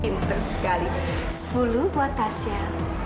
pintar sekali sepuluh buat tasya